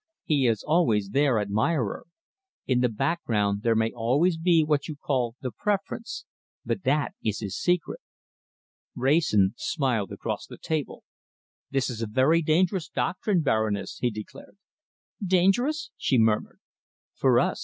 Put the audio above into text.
He is always their admirer. In the background there may always be what you call the preference, but that is his secret." Wrayson smiled across the table. "This is a very dangerous doctrine, Baroness!" he declared. "Dangerous?" she murmured. "For us!